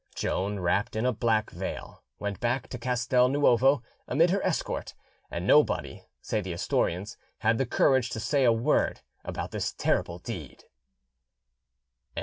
Joan, wrapped in a black veil, went back to Castel Nuovo, amid her escort; and nobody, say the historians, had the courage to say a word about this terrible deed.